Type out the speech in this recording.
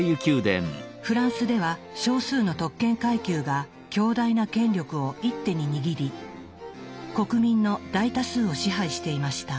フランスでは少数の特権階級が強大な権力を一手に握り国民の大多数を支配していました。